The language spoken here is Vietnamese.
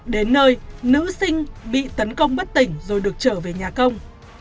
đến nơi nữ sinh bị tấn công bất tỉnh rồi được trở về nhà công